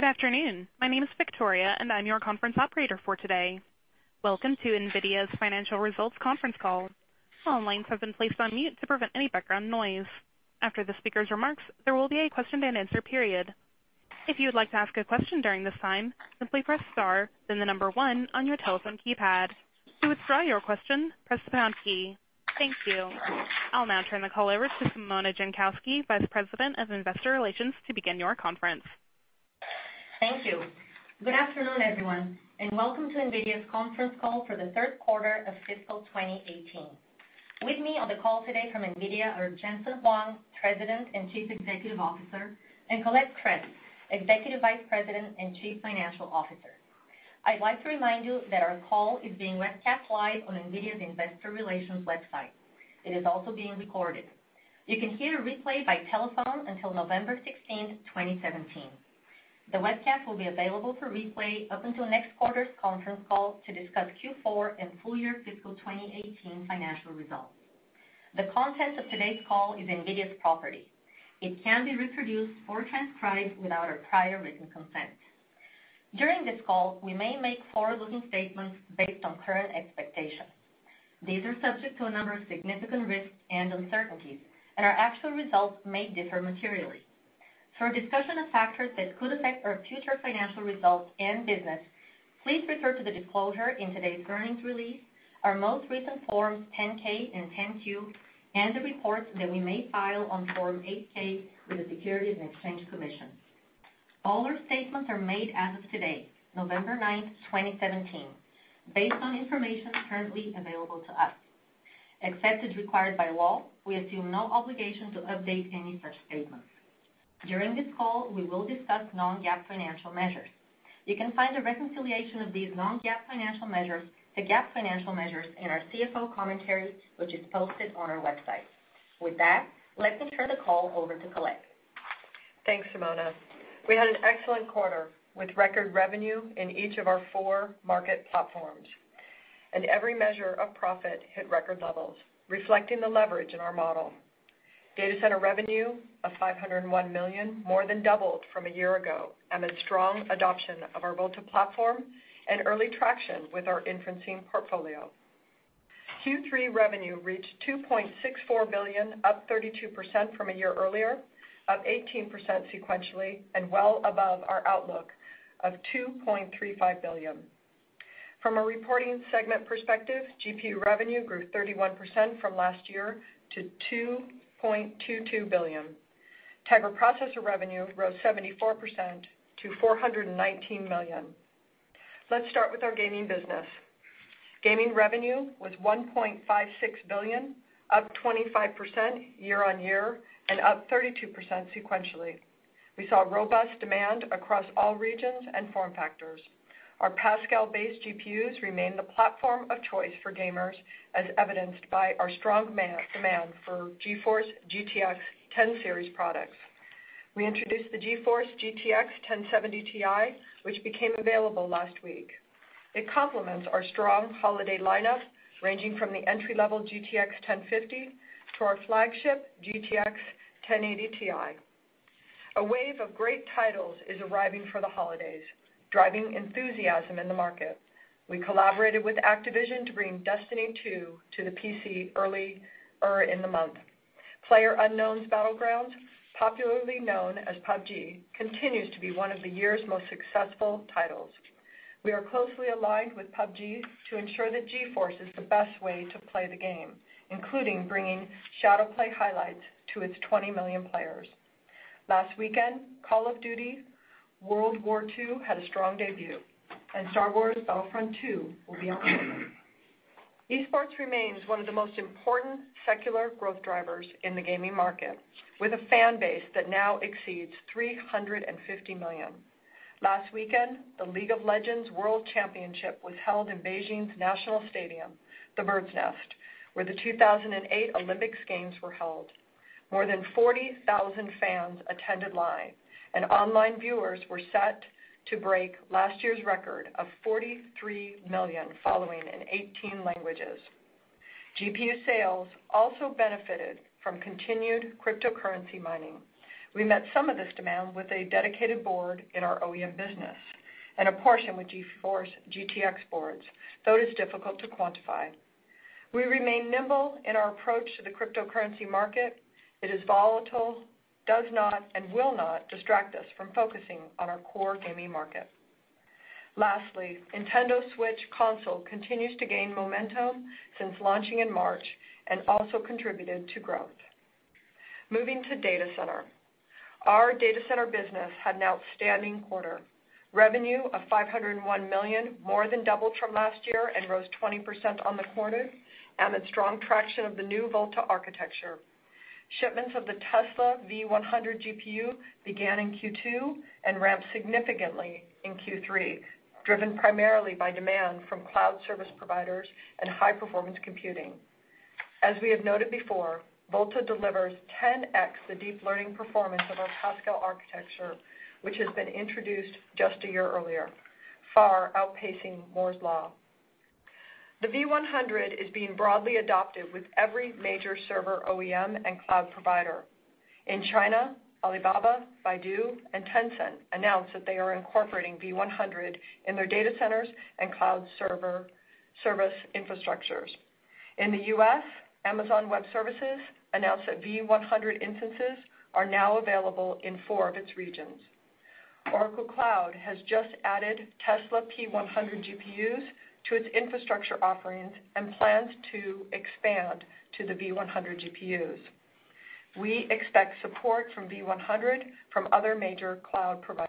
Good afternoon. My name is Victoria, and I am your conference operator for today. Welcome to NVIDIA's financial results conference call. All lines have been placed on mute to prevent any background noise. After the speakers' remarks, there will be a question and answer period. If you would like to ask a question during this time, simply press star, then the number 1 on your telephone keypad. To withdraw your question, press the pound key. Thank you. I will now turn the call over to Simona Jankowski, Vice President of Investor Relations, to begin your conference. Thank you. Good afternoon, everyone, and welcome to NVIDIA's conference call for the third quarter of fiscal 2018. With me on the call today from NVIDIA are Jensen Huang, President and Chief Executive Officer, and Colette Kress, Executive Vice President and Chief Financial Officer. I would like to remind you that our call is being webcast live on NVIDIA's Investor Relations website. It is also being recorded. You can hear a replay by telephone until November 16, 2017. The webcast will be available for replay up until next quarter's conference call to discuss Q4 and full year fiscal 2018 financial results. The content of today's call is NVIDIA's property. It cannot be reproduced or transcribed without our prior written consent. During this call, we may make forward-looking statements based on current expectations. These are subject to a number of significant risks and uncertainties. Our actual results may differ materially. For a discussion of factors that could affect our future financial results and business, please refer to the disclosure in today's earnings release, our most recent Forms 10-K and 10-Q, and the reports that we may file on Form 8-K with the Securities and Exchange Commission. All our statements are made as of today, November 9, 2017, based on information currently available to us. Except as required by law, we assume no obligation to update any such statements. During this call, we will discuss non-GAAP financial measures. You can find a reconciliation of these non-GAAP financial measures to GAAP financial measures in our CFO commentary, which is posted on our website. With that, let me turn the call over to Colette. Thanks, Simona. We had an excellent quarter with record revenue in each of our four market platforms. Every measure of profit hit record levels, reflecting the leverage in our model. Data center revenue of $501 million, more than doubled from a year ago amid strong adoption of our Volta platform and early traction with our inferencing portfolio. Q3 revenue reached $2.64 billion, up 32% from a year earlier, up 18% sequentially, well above our outlook of $2.35 billion. From a reporting segment perspective, GPU revenue grew 31% from last year to $2.22 billion. Tegra Processor revenue rose 74% to $419 million. Let's start with our gaming business. Gaming revenue was $1.56 billion, up 25% year-on-year, up 32% sequentially. We saw robust demand across all regions and form factors. Our Pascal-based GPUs remain the platform of choice for gamers, as evidenced by our strong demand for GeForce GTX 10 series products. We introduced the GeForce GTX 1070 Ti, which became available last week. It complements our strong holiday lineup, ranging from the entry-level GTX 1050 to our flagship GTX 1080 Ti. A wave of great titles is arriving for the holidays, driving enthusiasm in the market. We collaborated with Activision to bring Destiny 2 to the PC earlier in the month. PlayerUnknown's Battlegrounds, popularly known as PUBG, continues to be one of the year's most successful titles. We are closely aligned with PUBG to ensure that GeForce is the best way to play the game, including bringing ShadowPlay highlights to its 20 million players. Last weekend, Call of Duty: WWII had a strong debut, and Star Wars Battlefront II will be out soon. Esports remains one of the most important secular growth drivers in the gaming market, with a fan base that now exceeds 350 million. Last weekend, the League of Legends World Championship was held in Beijing's national stadium, the Bird's Nest, where the 2008 Olympics Games were held. More than 40,000 fans attended live, and online viewers were set to break last year's record of 43 million following in 18 languages. GPU sales also benefited from continued cryptocurrency mining. We met some of this demand with a dedicated board in our OEM business and a portion with GeForce GTX boards, though it is difficult to quantify. We remain nimble in our approach to the cryptocurrency market. It is volatile, does not and will not distract us from focusing on our core gaming market. Lastly, Nintendo Switch console continues to gain momentum since launching in March and also contributed to growth. Moving to data center. Our data center business had an outstanding quarter. Revenue of $501 million, more than doubled from last year and rose 20% on the quarter amid strong traction of the new Volta architecture. Shipments of the Tesla V100 GPU began in Q2 and ramped significantly in Q3, driven primarily by demand from cloud service providers and high-performance computing. As we have noted before, Volta delivers 10x the deep learning performance of our Pascal architecture, which has been introduced just a year earlier, far outpacing Moore's Law. The V100 is being broadly adopted with every major server OEM and cloud provider. In China, Alibaba, Baidu, and Tencent announced that they are incorporating V100 in their data centers and cloud server service infrastructures. In the U.S., Amazon Web Services announced that V100 instances are now available in four of its regions. Oracle Cloud has just added Tesla P100 GPUs to its infrastructure offerings and plans to expand to the V100 GPUs. We expect support from V100 from other major cloud providers.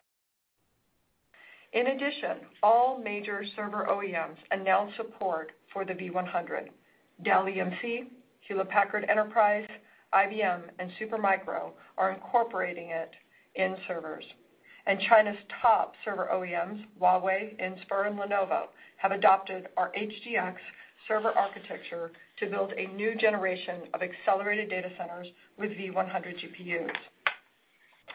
In addition, all major server OEMs announced support for the V100. Dell EMC, Hewlett Packard Enterprise, IBM, and Supermicro are incorporating it in servers. China's top server OEMs, Huawei, Inspur, and Lenovo, have adopted our HGX server architecture to build a new generation of accelerated data centers with V100 GPUs.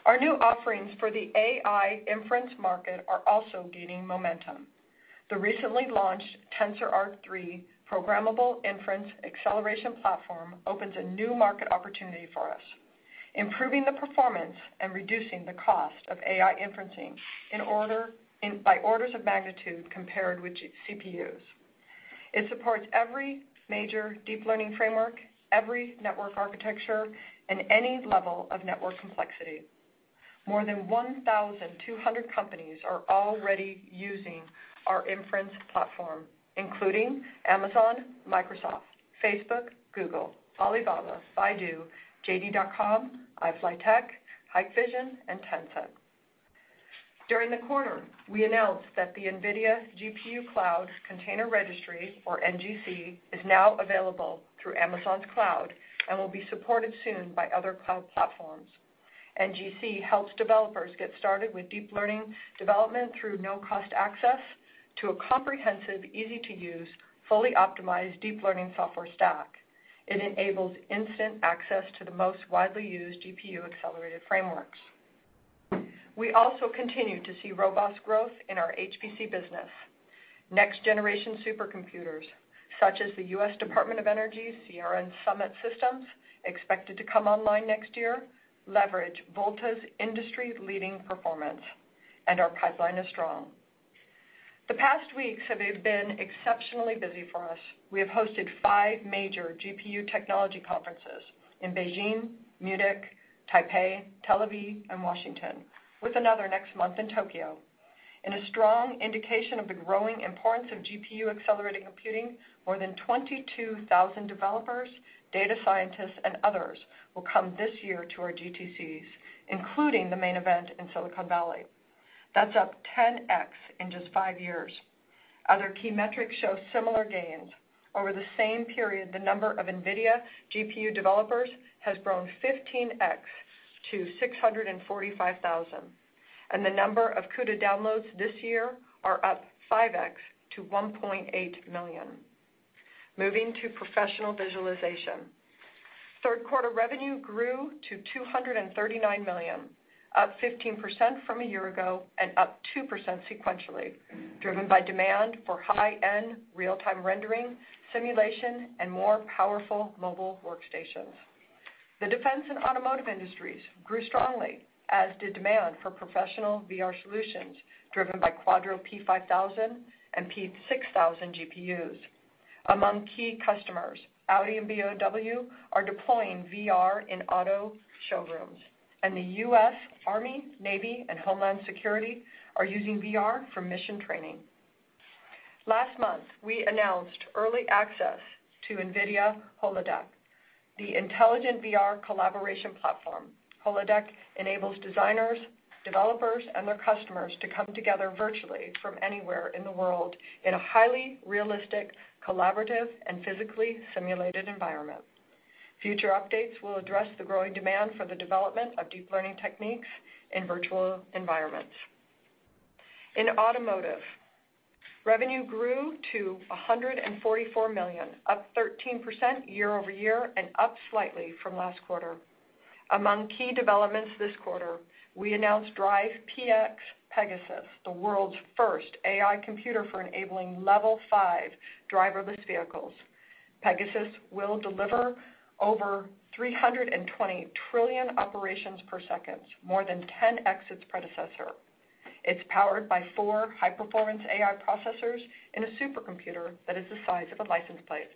Our new offerings for the AI inference market are also gaining momentum. The recently launched TensorRT 3 programmable inference acceleration platform opens a new market opportunity for us, improving the performance and reducing the cost of AI inferencing by orders of magnitude compared with CPUs. It supports every major deep learning framework, every network architecture, and any level of network complexity. More than 1,200 companies are already using our inference platform, including Amazon, Microsoft, Facebook, Google, Alibaba, Baidu, JD.com, iFlytek, Hikvision, and Tencent. During the quarter, we announced that the NVIDIA GPU Cloud container registry, or NGC, is now available through Amazon's Cloud and will be supported soon by other cloud platforms. NGC helps developers get started with deep learning development through no-cost access to a comprehensive, easy-to-use, fully optimized deep learning software stack. It enables instant access to the most widely used GPU-accelerated frameworks. We also continue to see robust growth in our HPC business. Next-generation supercomputers, such as the U.S. Department of Energy's Sierra and Summit systems, expected to come online next year, leverage Volta's industry-leading performance, and our pipeline is strong. The past weeks have been exceptionally busy for us. We have hosted five major GPU technology conferences in Beijing, Munich, Taipei, Tel Aviv, and Washington, with another next month in Tokyo. In a strong indication of the growing importance of GPU-accelerated computing, more than 22,000 developers, data scientists, and others will come this year to our GTCs, including the main event in Silicon Valley. That's up 10X in just five years. Other key metrics show similar gains. Over the same period, the number of NVIDIA GPU developers has grown 15X to 645,000, and the number of CUDA downloads this year are up 5X to 1.8 million. Moving to Professional Visualization. Third quarter revenue grew to $239 million, up 15% from a year ago and up 2% sequentially, driven by demand for high-end real-time rendering, simulation, and more powerful mobile workstations. The defense and automotive industries grew strongly, as did demand for professional VR solutions, driven by Quadro P5000 and P6000 GPUs. Among key customers, Audi and BMW are deploying VR in auto showrooms, and the U.S. Army, Navy, and Homeland Security are using VR for mission training. Last month, we announced early access to NVIDIA Holodeck, the intelligent VR collaboration platform. Holodeck enables designers, developers, and their customers to come together virtually from anywhere in the world in a highly realistic, collaborative, and physically simulated environment. Future updates will address the growing demand for the development of deep learning techniques in virtual environments. In automotive, revenue grew to $144 million, up 13% year-over-year and up slightly from last quarter. Among key developments this quarter, we announced NVIDIA DRIVE PX Pegasus, the world's first AI computer for enabling Level 5 driverless vehicles. Pegasus will deliver over 320 trillion operations per second, more than 10X its predecessor. It's powered by four high-performance AI processors in a supercomputer that is the size of a license plate.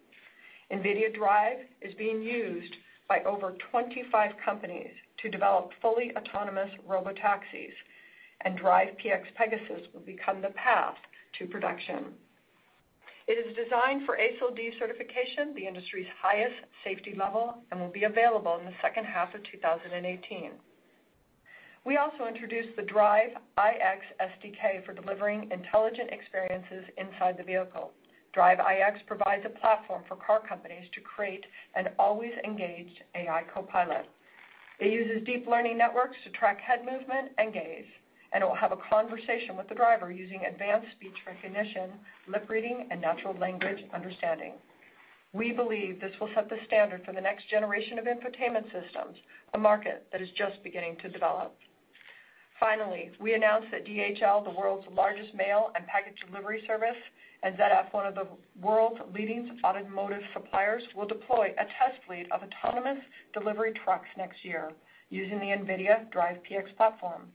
NVIDIA DRIVE is being used by over 25 companies to develop fully autonomous robotaxis, and NVIDIA DRIVE PX Pegasus will become the path to production. It is designed for ASIL D certification, the industry's highest safety level, and will be available in the second half of 2018. We also introduced the NVIDIA DRIVE IX SDK for delivering intelligent experiences inside the vehicle. NVIDIA DRIVE IX provides a platform for car companies to create an always-engaged AI copilot. It uses deep learning networks to track head movement and gaze, it will have a conversation with the driver using advanced speech recognition, lip reading, and natural language understanding. We believe this will set the standard for the next generation of infotainment systems, a market that is just beginning to develop. Finally, we announced that DHL, the world's largest mail and package delivery service, and ZF, one of the world's leading automotive suppliers, will deploy a test fleet of autonomous delivery trucks next year using the NVIDIA DRIVE PX platform.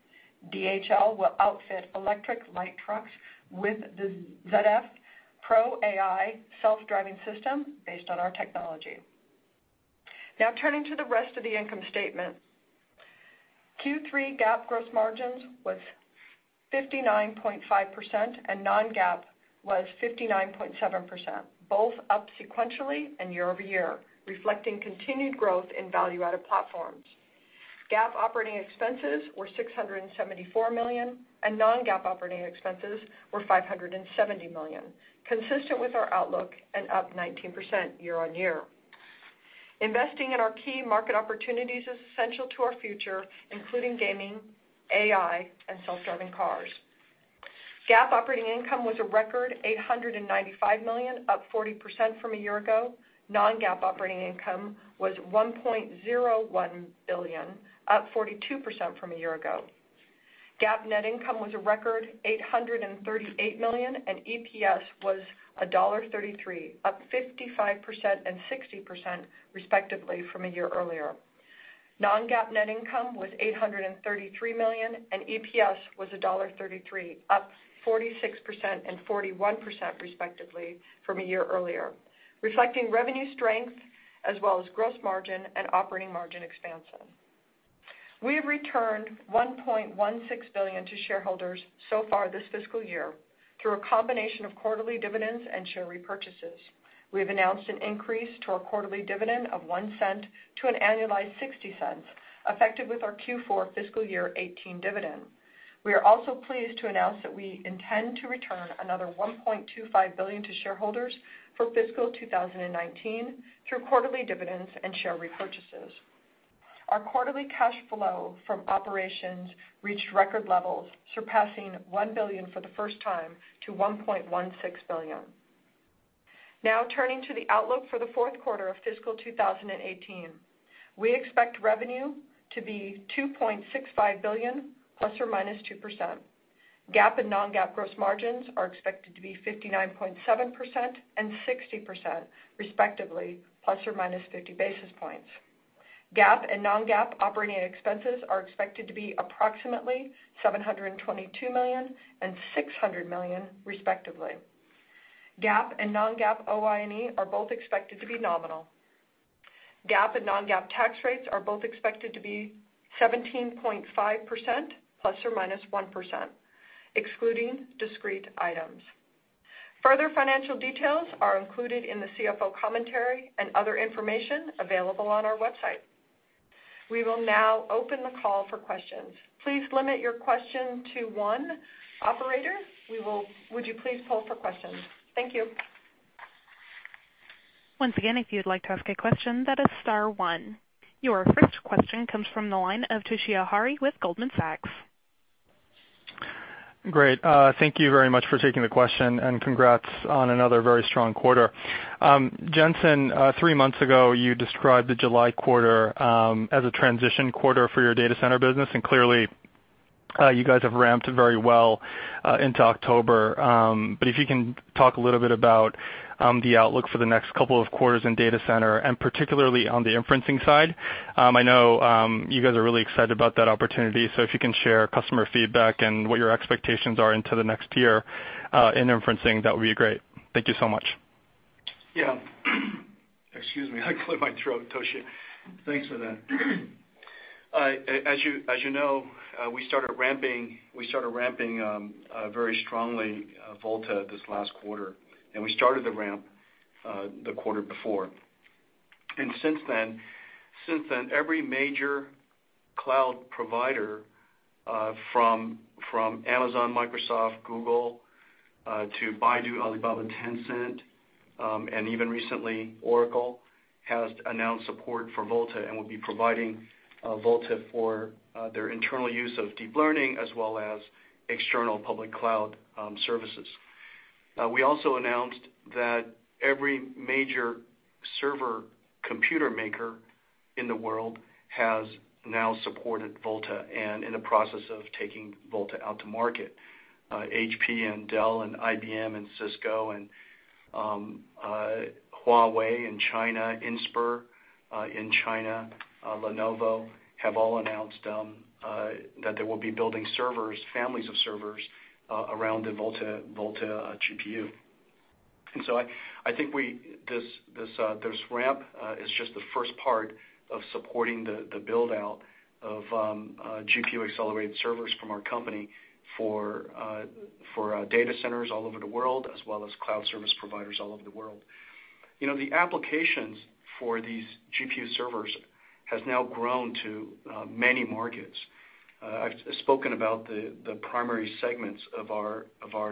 DHL will outfit electric light trucks with the ZF ProAI self-driving system based on our technology. Now turning to the rest of the income statement. Q3 GAAP gross margins was 59.5%, and non-GAAP was 59.7%, both up sequentially and year-over-year, reflecting continued growth in value-added platforms. GAAP operating expenses were $674 million, and non-GAAP operating expenses were $570 million, consistent with our outlook and up 19% year on year. Investing in our key market opportunities is essential to our future, including gaming, AI, and self-driving cars. GAAP operating income was a record $895 million, up 40% from a year ago. Non-GAAP operating income was $1.01 billion, up 42% from a year ago. GAAP net income was a record $838 million, and EPS was $1.33, up 55% and 60% respectively from a year earlier. Non-GAAP net income was $833 million, and EPS was $1.33, up 46% and 41% respectively from a year earlier, reflecting revenue strength as well as gross margin and operating margin expansion. We have returned $1.16 billion to shareholders so far this fiscal year through a combination of quarterly dividends and share repurchases. We have announced an increase to our quarterly dividend of $0.01 to an annualized $0.60, effective with our Q4 fiscal year 2018 dividend. We are also pleased to announce that we intend to return another $1.25 billion to shareholders for fiscal 2019 through quarterly dividends and share repurchases. Our quarterly cash flow from operations reached record levels, surpassing $1 billion for the first time to $1.16 billion. Now turning to the outlook for the fourth quarter of fiscal 2018. We expect revenue to be $2.65 billion ±2%. GAAP and non-GAAP gross margins are expected to be 59.7% and 60% respectively, ±50 basis points. GAAP and non-GAAP operating expenses are expected to be approximately $722 million and $600 million respectively. GAAP and non-GAAP OI&E are both expected to be nominal. GAAP and non-GAAP tax rates are both expected to be 17.5%, ±1%, excluding discrete items. Further financial details are included in the CFO commentary and other information available on our website. We will now open the call for questions. Please limit your question to one. Operator, would you please poll for questions? Thank you. Once again, if you'd like to ask a question, that is star one. Your first question comes from the line of Toshiya Hari with Goldman Sachs. Great. Thank you very much for taking the question, and congrats on another very strong quarter. Jensen, three months ago, you described the July quarter as a transition quarter for your data center business. If you can talk a little bit about the outlook for the next couple of quarters in data center, and particularly on the inferencing side. I know you guys are really excited about that opportunity. If you can share customer feedback and what your expectations are into the next year in inferencing, that would be great. Thank you so much. Yeah. Excuse me. I cleared my throat, Toshiya. Thanks for that. As you know, we started ramping very strongly Volta this last quarter. We started the ramp the quarter before. Since then, every major cloud provider from Amazon, Microsoft, Google, to Baidu, Alibaba, Tencent, and even recently Oracle, has announced support for Volta and will be providing Volta for their internal use of deep learning as well as external public cloud services. We also announced that every major server computer maker in the world has now supported Volta and in the process of taking Volta out to market. HP and Dell and IBM and Cisco and Huawei in China, Inspur in China, Lenovo, have all announced that they will be building families of servers around the Volta GPU. I think this ramp is just the first part of supporting the build-out of GPU-accelerated servers from our company for data centers all over the world, as well as cloud service providers all over the world. The applications for these GPU servers has now grown to many markets. I've spoken about the primary segments of our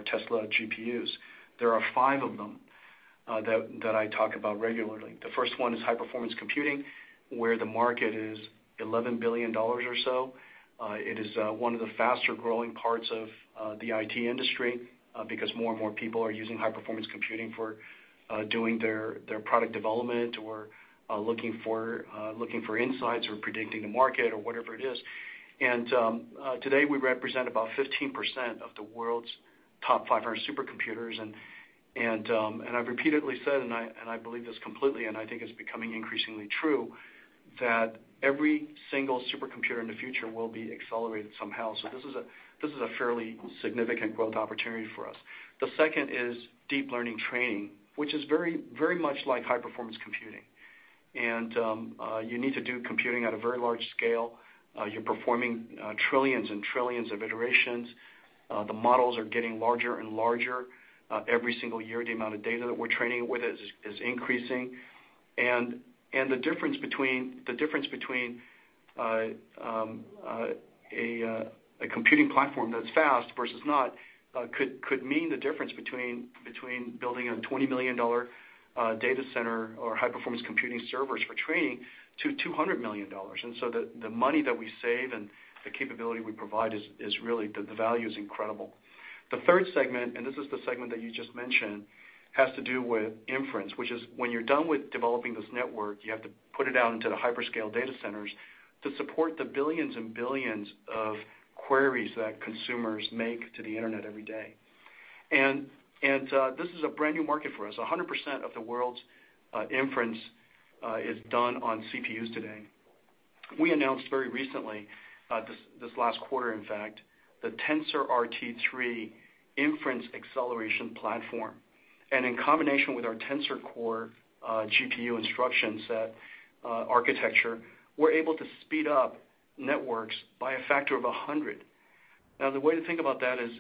Tesla GPUs. There are five of them that I talk about regularly The first one is high-performance computing, where the market is $11 billion or so. It is one of the faster-growing parts of the IT industry because more and more people are using high-performance computing for doing their product development or looking for insights or predicting the market or whatever it is. Today we represent about 15% of the world's top 500 supercomputers, and I've repeatedly said, and I believe this completely, and I think it's becoming increasingly true, that every single supercomputer in the future will be accelerated somehow. This is a fairly significant growth opportunity for us. The second is deep learning training, which is very much like high-performance computing. You need to do computing at a very large scale. You're performing trillions and trillions of iterations. The models are getting larger and larger. Every single year, the amount of data that we're training with is increasing. The difference between a computing platform that's fast versus not could mean the difference between building a $20 million data center or high-performance computing servers for training to $200 million. The money that we save and the capability we provide, the value is incredible. The third segment, this is the segment that you just mentioned, has to do with inference, which is when you're done with developing this network, you have to put it out into the hyperscale data centers to support the billions and billions of queries that consumers make to the internet every day. This is a brand-new market for us. 100% of the world's inference is done on CPUs today. We announced very recently, this last quarter in fact, the TensorRT 3 inference acceleration platform. In combination with our Tensor Core GPU instruction set architecture, we're able to speed up networks by a factor of 100. Now, the way to think about that is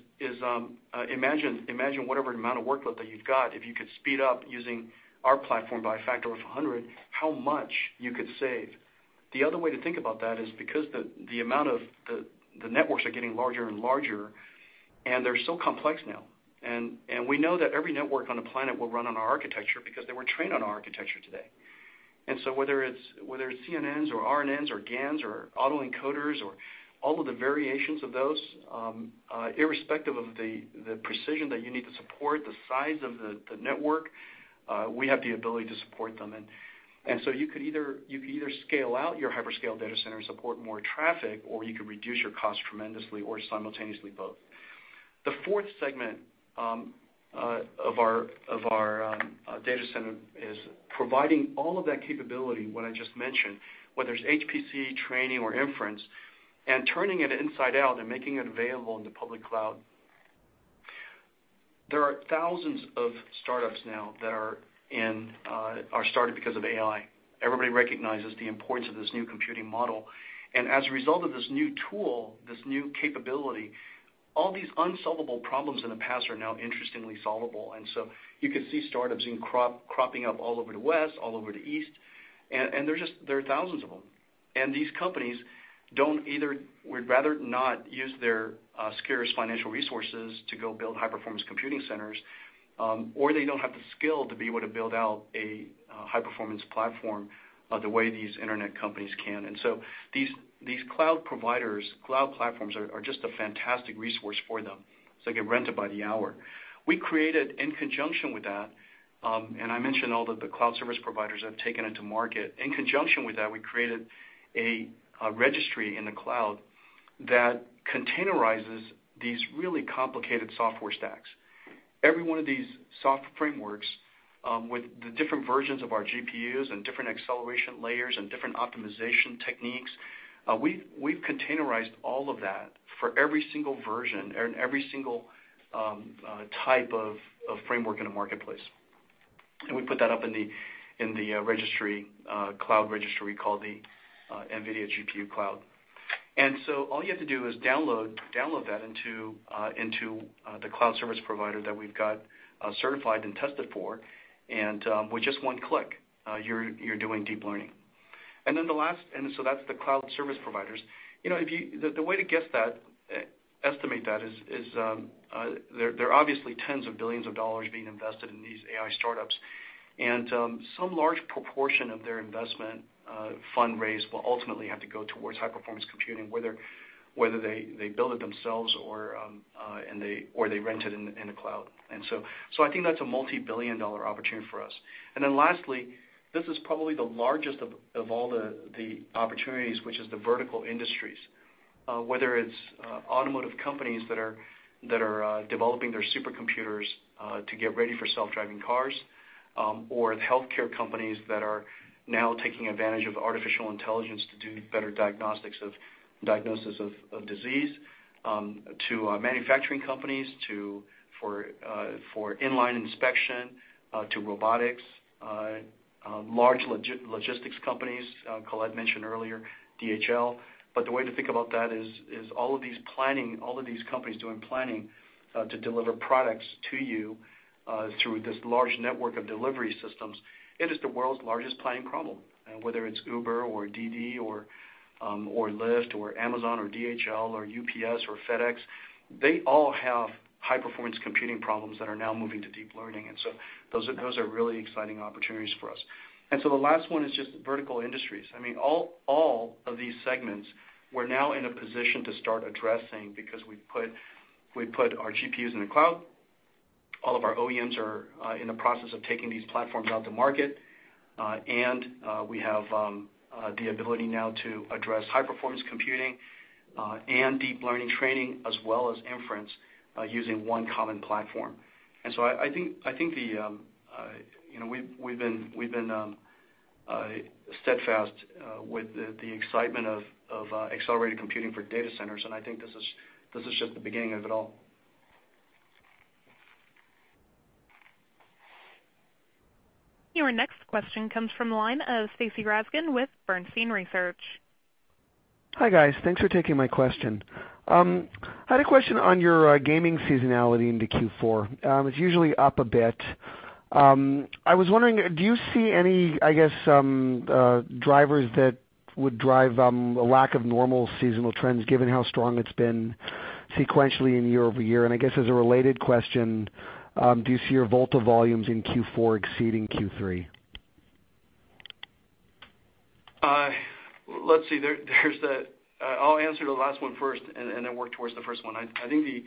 imagine whatever amount of workload that you've got, if you could speed up using our platform by a factor of 100, how much you could save. The other way to think about that is because the networks are getting larger and larger, and they're so complex now. We know that every network on the planet will run on our architecture because they were trained on our architecture today. Whether it's CNNs or RNNs or GANs or autoencoders or all of the variations of those, irrespective of the precision that you need to support, the size of the network, we have the ability to support them. You could either scale out your hyperscale data center and support more traffic, or you could reduce your cost tremendously or simultaneously both. The fourth segment of our data center is providing all of that capability, what I just mentioned, whether it's HPC, training, or inference, and turning it inside out and making it available in the public cloud. There are thousands of startups now that are started because of AI. Everybody recognizes the importance of this new computing model. As a result of this new tool, this new capability, all these unsolvable problems in the past are now interestingly solvable. You can see startups cropping up all over the West, all over the East, and there are thousands of them. These companies would rather not use their scarce financial resources to go build high-performance computing centers, or they don't have the skill to be able to build out a high-performance platform the way these internet companies can. These cloud providers, cloud platforms, are just a fantastic resource for them. They get rented by the hour. We created in conjunction with that, and I mentioned all the cloud service providers have taken it to market. In conjunction with that, we created a registry in the cloud that containerizes these really complicated software stacks. Every one of these software frameworks with the different versions of our GPUs and different acceleration layers and different optimization techniques, we've containerized all of that for every single version and every single type of framework in a marketplace. We put that up in the cloud registry called the NVIDIA GPU Cloud. All you have to do is download that into the cloud service provider that we've got certified and tested for, and with just one click you're doing deep learning. That's the cloud service providers. The way to estimate that is there are obviously tens of billions of dollars being invested in these AI startups, and some large proportion of their investment fundraise will ultimately have to go towards high-performance computing, whether they build it themselves or they rent it in the cloud. I think that's a multibillion-dollar opportunity for us. Lastly, this is probably the largest of all the opportunities, which is the vertical industries. Whether it's automotive companies that are developing their supercomputers to get ready for self-driving cars, or the healthcare companies that are now taking advantage of artificial intelligence to do better diagnosis of disease, to manufacturing companies for inline inspection, to robotics, large logistics companies, Colette mentioned earlier DHL. The way to think about that is all of these companies doing planning to deliver products to you through this large network of delivery systems, it is the world's largest planning problem. Whether it's Uber or Didi or Lyft or Amazon or DHL or UPS or FedEx, they all have high-performance computing problems that are now moving to deep learning. Those are really exciting opportunities for us. The last one is just vertical industries. All of these segments we're now in a position to start addressing because we put our GPUs in the cloud. All of our OEMs are in the process of taking these platforms out to market. We have the ability now to address high-performance computing, and deep learning training, as well as inference using one common platform. I think we've been steadfast with the excitement of accelerated computing for data centers, and I think this is just the beginning of it all. Your next question comes from the line of Stacy Rasgon with Bernstein Research. Hi, guys. Thanks for taking my question. I had a question on your gaming seasonality into Q4. It's usually up a bit. I was wondering, do you see any drivers that would drive a lack of normal seasonal trends given how strong it's been sequentially and year-over-year? I guess as a related question, do you see your Volta volumes in Q4 exceeding Q3? Let's see. I'll answer the last one first and then work towards the first one. I think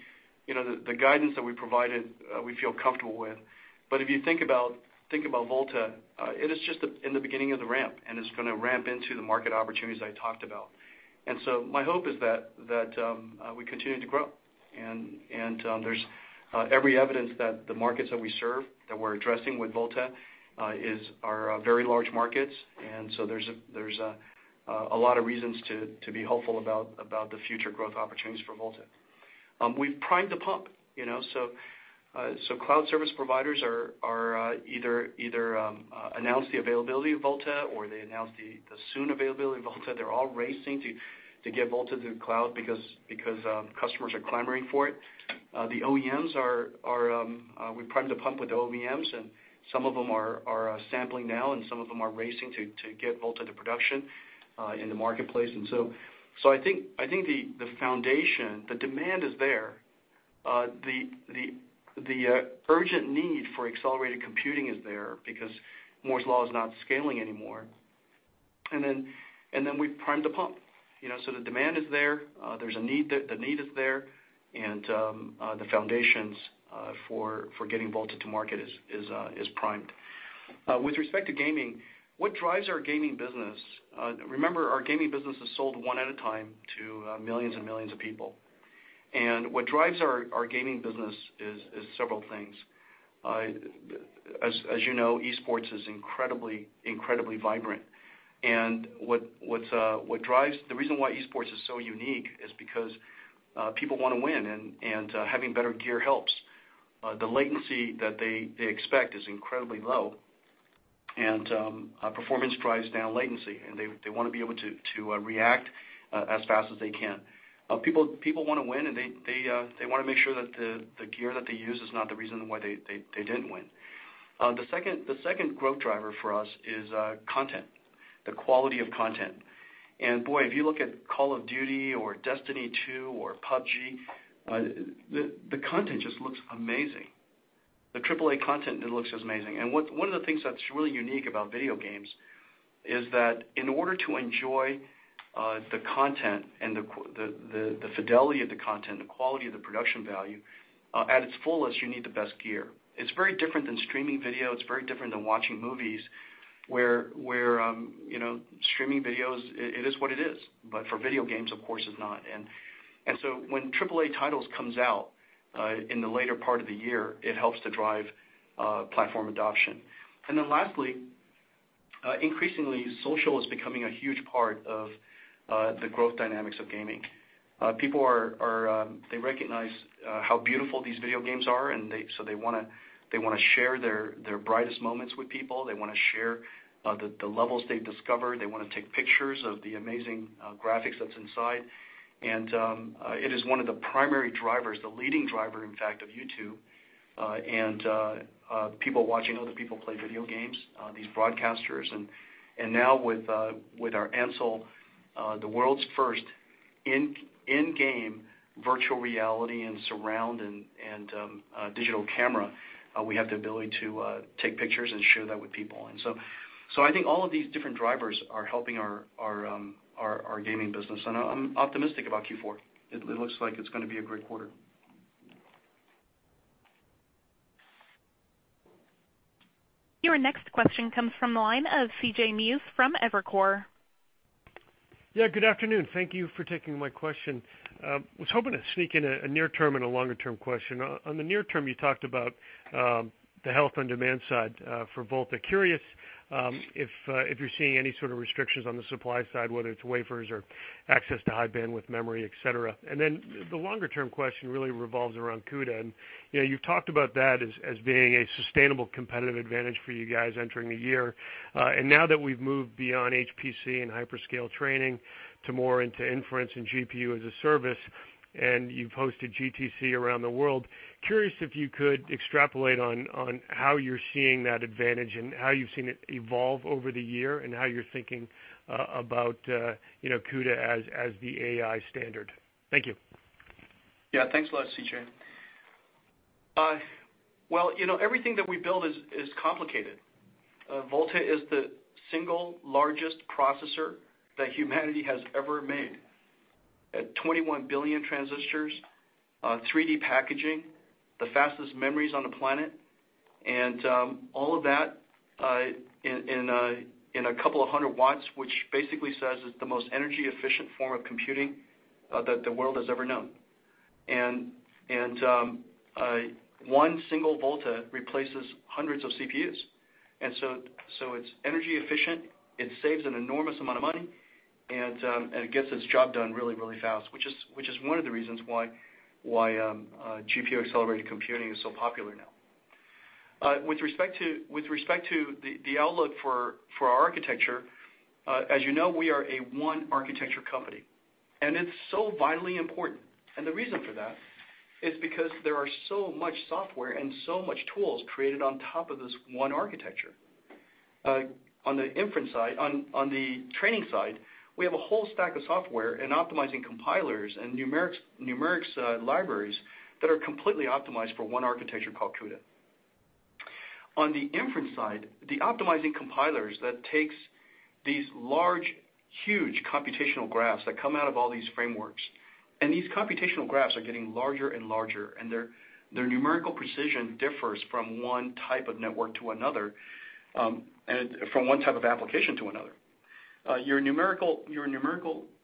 the guidance that we provided, we feel comfortable with. If you think about Volta, it is just in the beginning of the ramp, and it's going to ramp into the market opportunities I talked about. My hope is that we continue to grow, and there's every evidence that the markets that we serve, that we're addressing with Volta, are very large markets. There's a lot of reasons to be hopeful about the future growth opportunities for Volta. We've primed the pump. Cloud service providers either announce the availability of Volta, or they announce the soon availability of Volta. They're all racing to get Volta to the cloud because customers are clamoring for it. The OEMs, we primed the pump with the OEMs, and some of them are sampling now, and some of them are racing to get Volta to production in the marketplace. I think the foundation, the demand is there. The urgent need for accelerated computing is there because Moore's Law is not scaling anymore. We've primed the pump. The demand is there. The need is there, and the foundations for getting Volta to market is primed. With respect to gaming, what drives our gaming business, remember, our gaming business is sold one at a time to millions and millions of people. What drives our gaming business is several things. As you know, esports is incredibly vibrant. The reason why esports is so unique is because people want to win, and having better gear helps. The latency that they expect is incredibly low. Performance drives down latency. They want to be able to react as fast as they can. People want to win. They want to make sure that the gear that they use is not the reason why they didn't win. The second growth driver for us is content, the quality of content. Boy, if you look at "Call of Duty" or "Destiny 2" or "PUBG," the content just looks amazing. The triple-A content just looks amazing. One of the things that's really unique about video games is that in order to enjoy the content and the fidelity of the content, the quality of the production value, at its fullest, you need the best gear. It's very different than streaming video. It's very different than watching movies where streaming videos, it is what it is. For video games, of course it's not. When triple-A titles comes out in the later part of the year, it helps to drive platform adoption. Lastly, increasingly social is becoming a huge part of the growth dynamics of gaming. People recognize how beautiful these video games are, and so they want to share their brightest moments with people. They want to share the levels they've discovered. They want to take pictures of the amazing graphics that's inside. It is one of the primary drivers, the leading driver, in fact, of YouTube, and people watching other people play video games, these broadcasters. Now with our Ansel, the world's first in-game virtual reality and surround and digital camera, we have the ability to take pictures and share that with people. I think all of these different drivers are helping our gaming business. I'm optimistic about Q4. It looks like it's going to be a great quarter. Your next question comes from the line of C.J. Muse from Evercore. Good afternoon. Thank you for taking my question. I was hoping to sneak in a near-term and a longer-term question. On the near term, you talked about the health on-demand side for Volta. Curious if you're seeing any sort of restrictions on the supply side, whether it's wafers or access to high bandwidth memory, et cetera. The longer-term question really revolves around CUDA, and you've talked about that as being a sustainable competitive advantage for you guys entering the year. Now that we've moved beyond HPC and hyperscale training to more into inference and GPU as a service, and you've hosted GTC around the world, curious if you could extrapolate on how you're seeing that advantage and how you've seen it evolve over the year, and how you're thinking about CUDA as the AI standard. Thank you. Thanks a lot, CJ. Well, everything that we build is complicated. Volta is the single largest processor that humanity has ever made. At 21 billion transistors, 3D packaging, the fastest memories on the planet, and all of that in a couple of hundred watts, which basically says it's the most energy efficient form of computing that the world has ever known. One single Volta replaces hundreds of CPUs. It's energy efficient, it saves an enormous amount of money, and it gets its job done really fast. Which is one of the reasons why GPU accelerated computing is so popular now. With respect to the outlook for our architecture, as you know, we are a one architecture company. It's so vitally important. The reason for that is because there are so much software and so much tools created on top of this one architecture. On the training side, we have a whole stack of software and optimizing compilers and numerics libraries that are completely optimized for one architecture called CUDA. On the inference side, the optimizing compilers that takes these large, huge computational graphs that come out of all these frameworks. These computational graphs are getting larger and larger, and their numerical precision differs from one type of network to another, from one type of application to another. Your numerical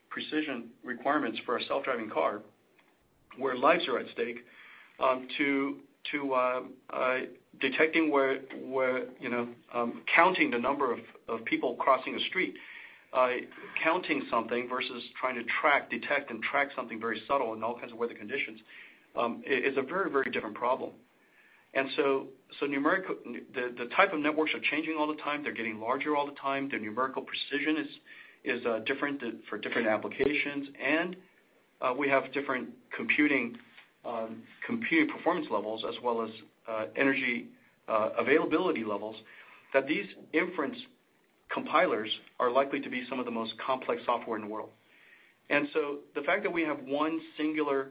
precision requirements for a self-driving car where lives are at stake, to detecting where counting the number of people crossing a street, counting something versus trying to detect and track something very subtle in all kinds of weather conditions, is a very different problem. The type of networks are changing all the time. They're getting larger all the time. Their numerical precision is different for different applications, and we have different computing performance levels as well as energy availability levels that these inference compilers are likely to be some of the most complex software in the world. The fact that we have one singular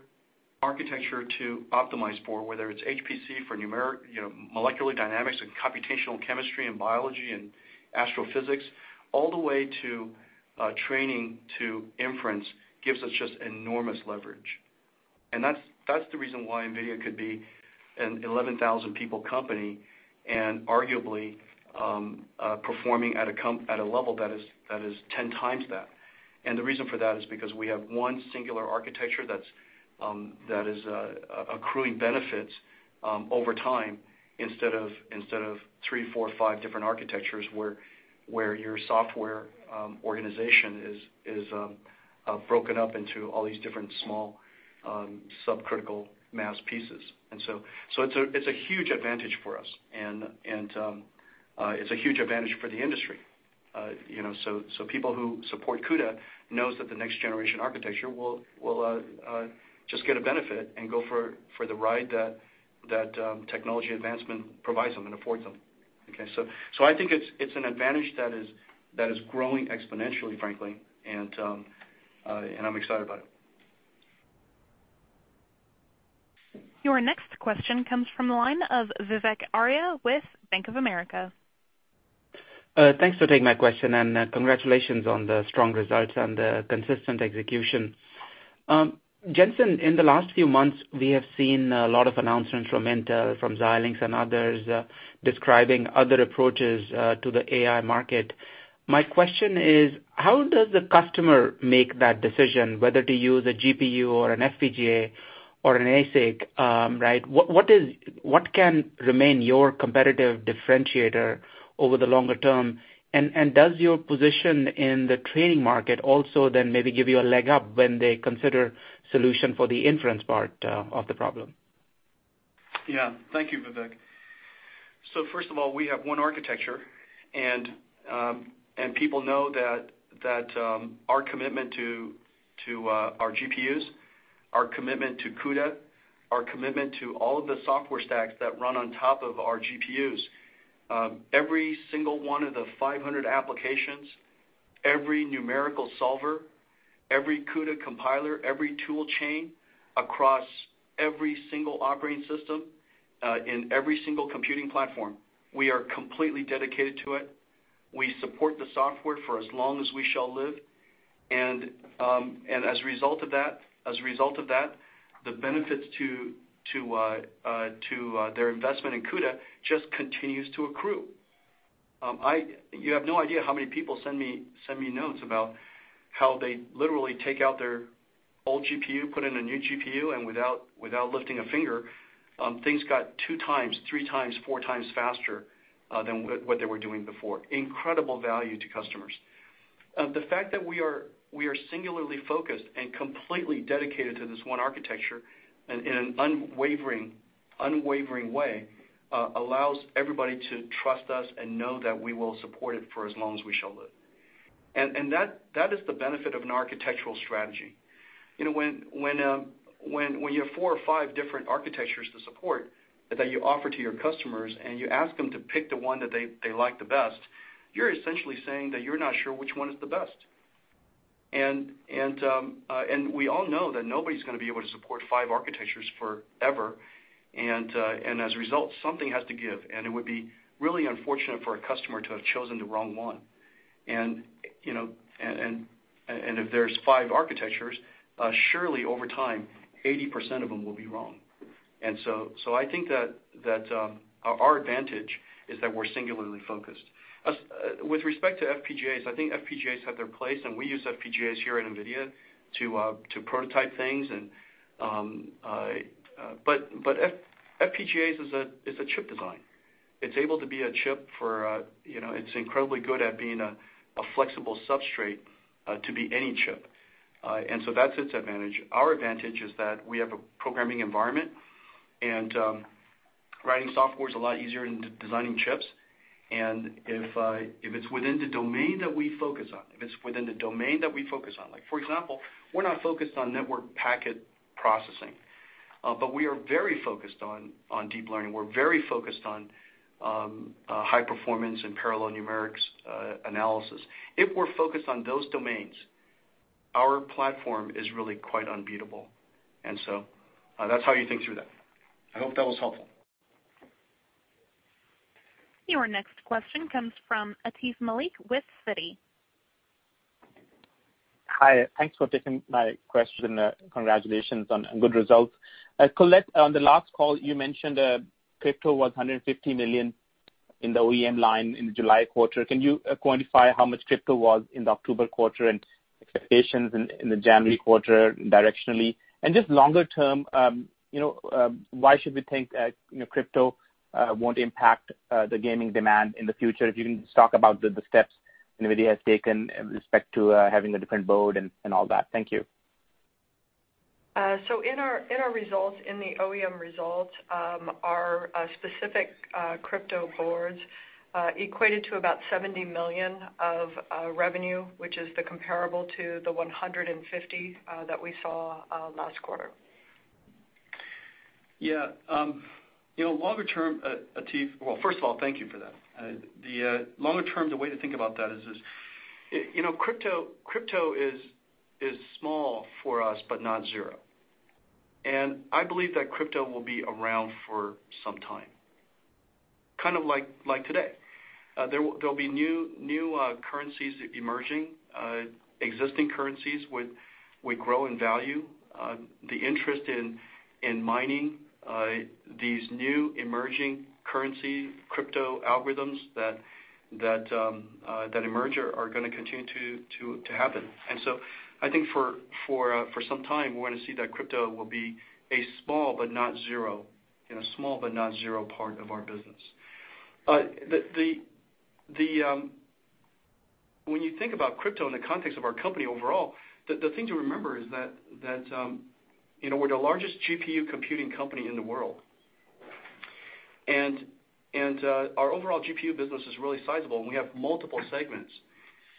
architecture to optimize for, whether it's HPC for molecular dynamics and computational chemistry and biology and astrophysics, all the way to training to inference gives us just enormous leverage. That's the reason why NVIDIA could be an 11,000 people company and arguably performing at a level that is 10 times that. The reason for that is because we have one singular architecture that is accruing benefits over time instead of three, four, five different architectures where your software organization is broken up into all these different small subcritical mass pieces. It's a huge advantage for us, and it's a huge advantage for the industry. People who support CUDA know that the next generation architecture will just get a benefit and go for the ride that technology advancement provides them and affords them. I think it's an advantage that is growing exponentially, frankly, and I'm excited about it. Your next question comes from the line of Vivek Arya with Bank of America. Thanks for taking my question, congratulations on the strong results and the consistent execution. Jensen, in the last few months, we have seen a lot of announcements from Intel, from Xilinx and others describing other approaches to the AI market. My question is, how does the customer make that decision whether to use a GPU or an FPGA or an ASIC, right? What can remain your competitive differentiator over the longer term, and does your position in the training market also maybe give you a leg up when they consider solution for the inference part of the problem? Yeah. Thank you, Vivek. First of all, we have one architecture, people know that our commitment to our GPUs, our commitment to CUDA, our commitment to all of the software stacks that run on top of our GPUs. Every single one of the 500 applications, every numerical solver, every CUDA compiler, every tool chain across every single operating system in every single computing platform, we are completely dedicated to it. We support the software for as long as we shall live. As a result of that, the benefits to their investment in CUDA just continues to accrue. You have no idea how many people send me notes about how they literally take out their old GPU, put in a new GPU, and without lifting a finger, things got two times, three times, four times faster than what they were doing before. Incredible value to customers. The fact that we are singularly focused and completely dedicated to this one architecture in an unwavering way allows everybody to trust us and know that we will support it for as long as we shall live. That is the benefit of an architectural strategy. When you have four or five different architectures to support that you offer to your customers, you ask them to pick the one that they like the best, you're essentially saying that you're not sure which one is the best. We all know that nobody's going to be able to support five architectures forever. As a result, something has to give, and it would be really unfortunate for a customer to have chosen the wrong one. If there's five architectures, surely over time, 80% of them will be wrong. I think that our advantage is that we're singularly focused. With respect to FPGAs, I think FPGAs have their place, we use FPGAs here at NVIDIA to prototype things. FPGAs is a chip design. It's incredibly good at being a flexible substrate to be any chip. That's its advantage. Our advantage is that we have a programming environment, writing software is a lot easier than designing chips. If it's within the domain that we focus on, like for example, we're not focused on network packet processing, but we are very focused on deep learning. We're very focused on high performance and parallel numerics analysis. If we're focused on those domains, our platform is really quite unbeatable. That's how you think through that. I hope that was helpful. Your next question comes from Atif Malik with Citi. Hi. Thanks for taking my question. Congratulations on good results. Colette, on the last call, you mentioned crypto was $150 million in the OEM line in the July quarter. Can you quantify how much crypto was in the October quarter and expectations in the January quarter directionally? Just longer term, why should we think that crypto won't impact the gaming demand in the future? If you can just talk about the steps NVIDIA has taken with respect to having a different board and all that. Thank you. In our results, in the OEM results, our specific crypto boards equated to about $70 million of revenue, which is the comparable to the $150 million that we saw last quarter. Yeah. Longer term, Atif. Well, first of all, thank you for that. The longer term, the way to think about that is crypto is small for us, but not zero. I believe that crypto will be around for some time, kind of like today. There'll be new currencies emerging, existing currencies would grow in value. The interest in mining these new emerging currency crypto algorithms that emerge are going to continue to happen. So I think for some time, we're going to see that crypto will be a small but not zero part of our business. When you think about crypto in the context of our company overall, the thing to remember is that we're the largest GPU computing company in the world. Our overall GPU business is really sizable, and we have multiple segments.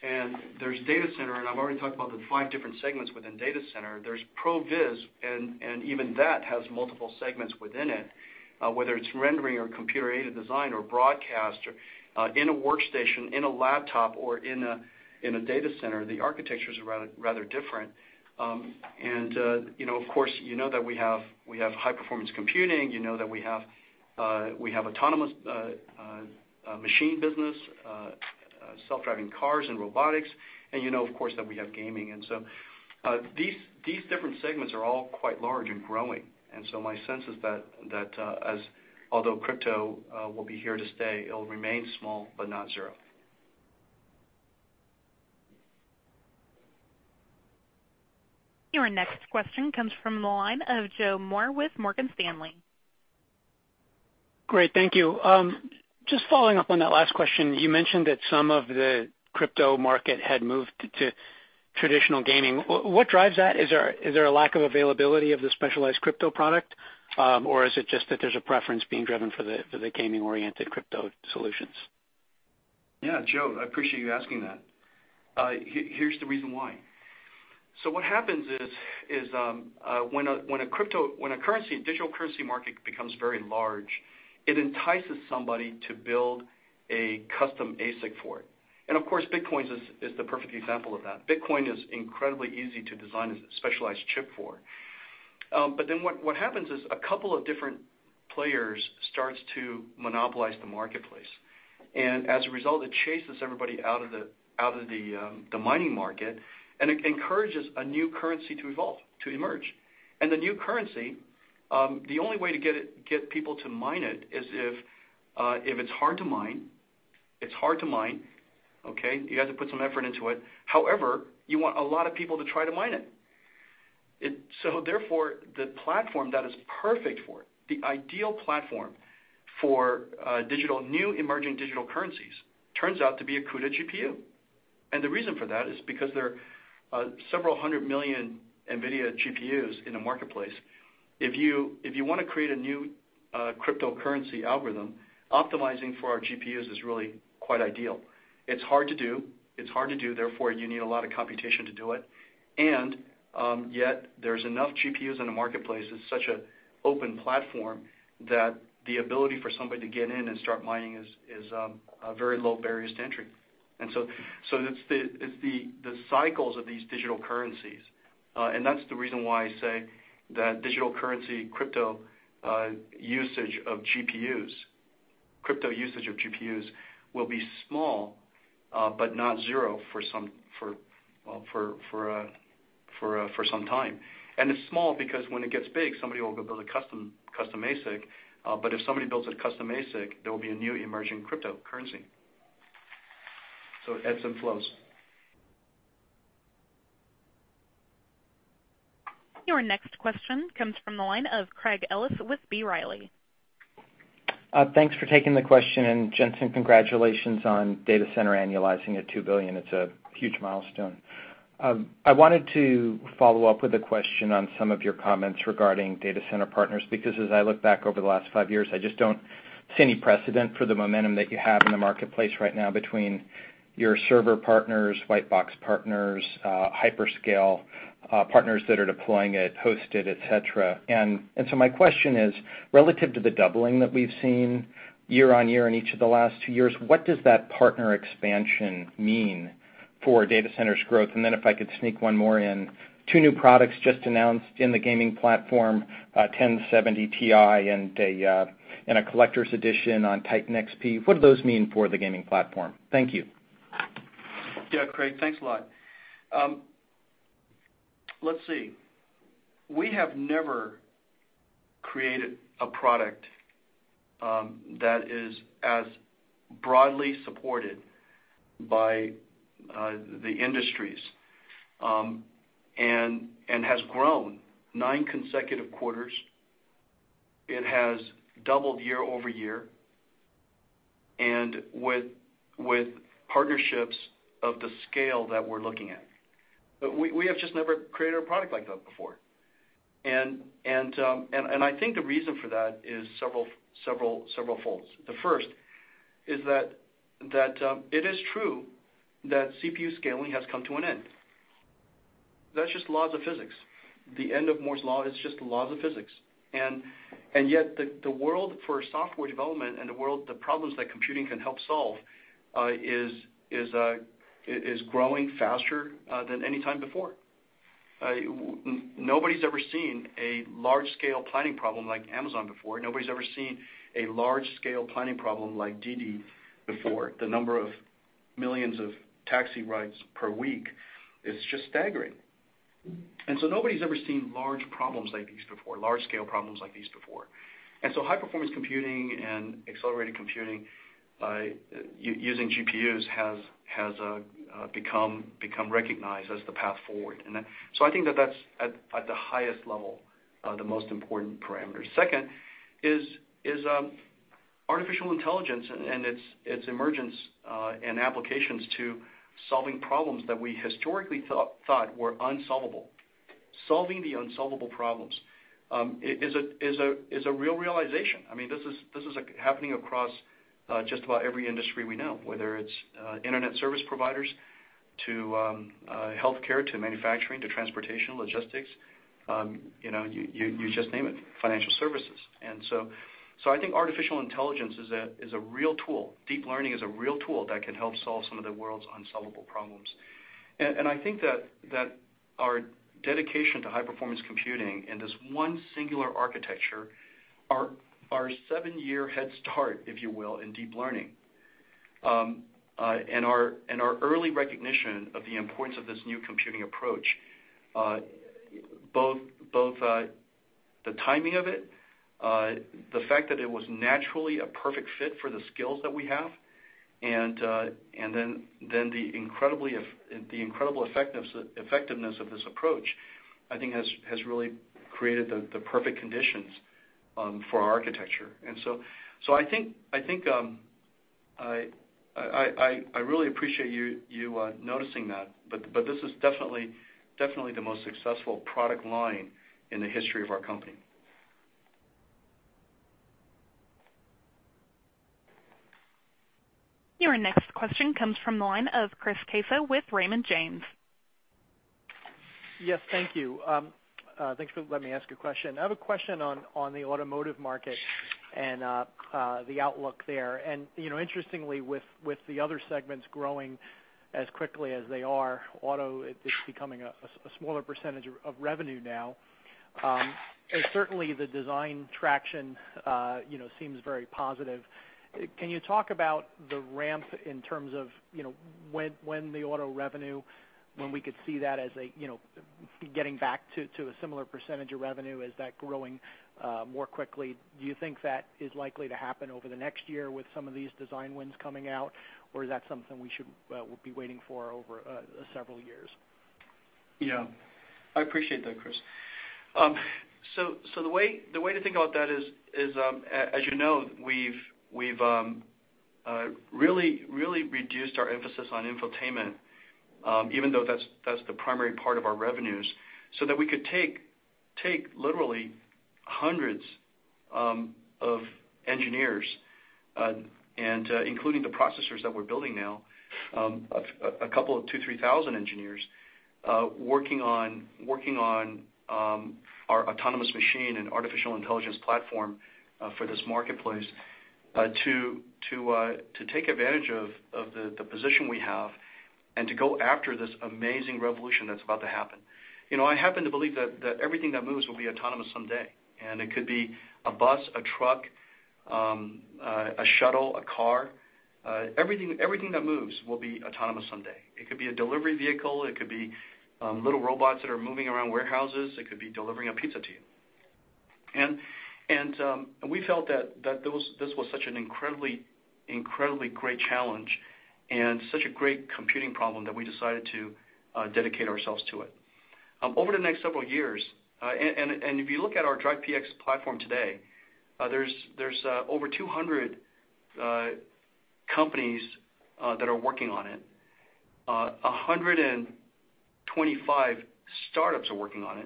There's data center, and I've already talked about the five different segments within data center. There's Pro Viz, and even that has multiple segments within it, whether it's rendering or computer-aided design or broadcast or in a workstation, in a laptop, or in a data center. The architecture's rather different. Of course, you know that we have high-performance computing. You know that we have autonomous machine business, self-driving cars, and robotics. You know, of course, that we have gaming. So these different segments are all quite large and growing. So my sense is that although crypto will be here to stay, it'll remain small but not zero. Your next question comes from the line of Joseph Moore with Morgan Stanley. Great. Thank you. Just following up on that last question, you mentioned that some of the crypto market had moved to traditional gaming. What drives that? Is there a lack of availability of the specialized crypto product, or is it just that there's a preference being driven for the gaming-oriented crypto solutions? Yeah. Joe, I appreciate you asking that. Here's the reason why. What happens is when a currency, digital currency market becomes very large, it entices somebody to build a custom ASIC for it. Of course, Bitcoin is the perfect example of that. Bitcoin is incredibly easy to design a specialized chip for. What happens is a couple of different players starts to monopolize the marketplace. As a result, it chases everybody out of the mining market, and it encourages a new currency to evolve, to emerge. The new currency, the only way to get people to mine it is if it's hard to mine, okay? You have to put some effort into it. However, you want a lot of people to try to mine it. Therefore, the platform that is perfect for it, the ideal platform for new emerging digital currencies turns out to be a CUDA GPU. The reason for that is because there are several hundred million NVIDIA GPUs in the marketplace. If you want to create a new cryptocurrency algorithm, optimizing for our GPUs is really quite ideal. It's hard to do. Therefore, you need a lot of computation to do it. Yet there's enough GPUs in the marketplace, it's such an open platform that the ability for somebody to get in and start mining is a very low barrier to entry. It's the cycles of these digital currencies. That's the reason why I say that digital currency crypto usage of GPUs will be small but not zero for some time. It's small because when it gets big, somebody will go build a custom ASIC. If somebody builds a custom ASIC, there will be a new emerging cryptocurrency. It ebbs and flows. Your next question comes from the line of Craig Ellis with B. Riley. Thanks for taking the question. Jensen, congratulations on data center annualizing at $2 billion. It's a huge milestone. I wanted to follow up with a question on some of your comments regarding data center partners, because as I look back over the last five years, I just don't see any precedent for the momentum that you have in the marketplace right now between your server partners, white box partners, hyperscale partners that are deploying it, hosted, et cetera. My question is, relative to the doubling that we've seen year-over-year in each of the last two years, what does that partner expansion mean for data centers growth? Then if I could sneak one more in, two new products just announced in the gaming platform, 1070 Ti and a collector's edition on Titan Xp. What do those mean for the gaming platform? Thank you. Yeah, Craig. Thanks a lot. Let's see. We have never created a product that is as broadly supported by the industries, and has grown nine consecutive quarters. It has doubled year-over-year and with partnerships of the scale that we're looking at. We have just never created a product like that before. I think the reason for that is severalfolds. The first is that it is true that CPU scaling has come to an end. That's just laws of physics. The end of Moore's Law is just laws of physics. Yet the world for software development and the world of the problems that computing can help solve is growing faster than any time before. Nobody's ever seen a large-scale planning problem like Amazon before. Nobody's ever seen a large-scale planning problem like Didi before. The number of millions of taxi rides per week is just staggering. Nobody's ever seen large problems like these before, large-scale problems like these before. High-performance computing and accelerated computing by using GPUs has become recognized as the path forward. I think that's at the highest level of the most important parameters. Second is artificial intelligence and its emergence in applications to solving problems that we historically thought were unsolvable. Solving the unsolvable problems is a real realization. This is happening across just about every industry we know, whether it's internet service providers to healthcare, to manufacturing, to transportation, logistics, you just name it, financial services. I think artificial intelligence is a real tool. Deep learning is a real tool that can help solve some of the world's unsolvable problems. I think that our dedication to high-performance computing and this one singular architecture, our seven-year head start, if you will, in deep learning, and our early recognition of the importance of this new computing approach both the timing of it, the fact that it was naturally a perfect fit for the skills that we have, and then the incredible effectiveness of this approach, I think has really created the perfect conditions for our architecture. I think I really appreciate you noticing that, this is definitely the most successful product line in the history of our company. Your next question comes from the line of Chris Caso with Raymond James. Yes, thank you. Thanks for letting me ask a question. I have a question on the automotive market and the outlook there. Interestingly, with the other segments growing as quickly as they are, auto is becoming a smaller percentage of revenue now. Certainly, the design traction seems very positive. Can you talk about the ramp in terms of when the auto revenue, when we could see that as getting back to a similar percentage of revenue? Is that growing more quickly? Do you think that is likely to happen over the next year with some of these design wins coming out? Or is that something we should be waiting for over several years? Yeah. I appreciate that, Chris. The way to think about that is as you know, we've really reduced our emphasis on infotainment, even though that's the primary part of our revenues, so that we could take literally hundreds of engineers, and including the processors that we're building now, a couple of 2,000, 3,000 engineers, working on our autonomous machine and artificial intelligence platform for this marketplace, to take advantage of the position we have and to go after this amazing revolution that's about to happen. I happen to believe that everything that moves will be autonomous someday. It could be a bus, a truck, a shuttle, a car. Everything that moves will be autonomous someday. It could be a delivery vehicle. It could be little robots that are moving around warehouses. It could be delivering a pizza to you. We felt that this was such an incredibly great challenge and such a great computing problem that we decided to dedicate ourselves to it. Over the next several years. If you look at our Drive PX platform today, there's over 200 companies that are working on it. 125 startups are working on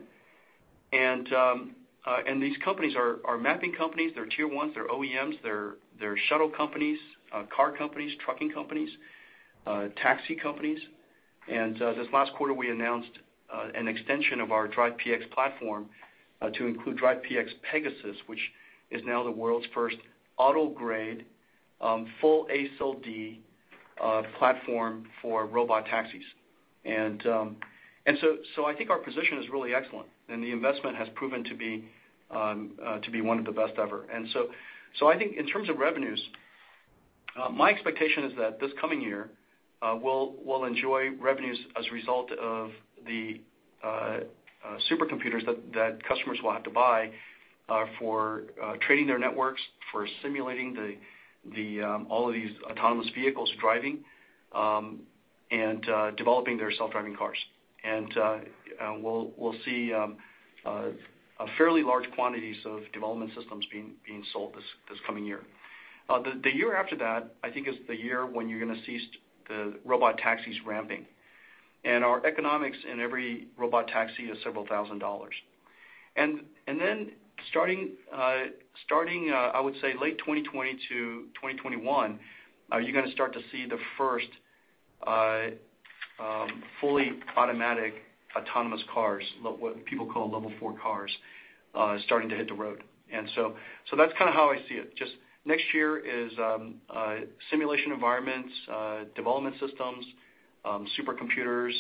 it. These companies are mapping companies. They're tier 1s. They're OEMs. They're shuttle companies, car companies, trucking companies, taxi companies. This last quarter, we announced an extension of our Drive PX platform to include Drive PX Pegasus, which is now the world's first auto-grade full ASIL D platform for robot taxis. I think our position is really excellent, and the investment has proven to be one of the best ever. I think in terms of revenues, my expectation is that this coming year, we'll enjoy revenues as a result of the supercomputers that customers will have to buy for training their networks, for simulating all of these autonomous vehicles driving, and developing their self-driving cars. We'll see fairly large quantities of development systems being sold this coming year. The year after that, I think, is the year when you're going to see the robot taxis ramping. Our economics in every robot taxi is $several thousand. Then starting, I would say late 2020 to 2021, you're going to start to see the first fully automatic autonomous cars, what people call Level 4 cars, starting to hit the road. That's kind of how I see it. Just next year is simulation environments, development systems, supercomputers.